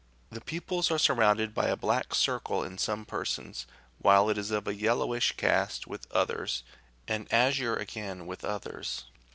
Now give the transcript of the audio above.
The pupils are surrounded by a black circle in some persons, while it is of a yellowish cast with others, and azure again with others.